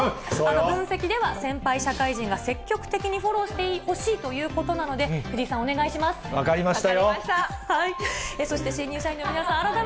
分析では、先輩社会人が積極的にフォローしてほしいということな分かりましたよ。